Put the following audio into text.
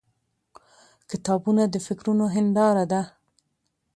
• کتابونه د فکرونو هنداره ده.